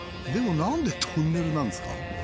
でもなんでトンネルなんですか？